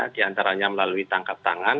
diantaranya melalui tangkap tangan